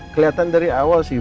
kelihatan dari awal sih